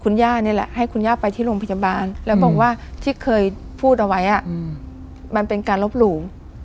คุณย่านี่แหละให้คุณย่าไปที่โรงพยาบาลแล้วบอกว่าที่เคยพูดเอาไว้มันเป็นการลบหลู่